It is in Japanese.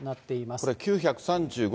これ、９３５